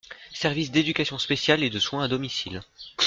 Service d’éducation spéciale et de soins à domicile.